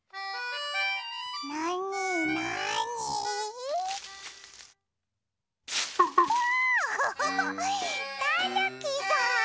なになに？わアハハたぬきさん！